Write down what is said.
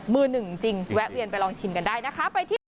มือหนึ่งจริงแวะเวียนไปลองชิมกันได้นะคะ